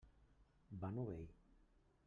Van obeir.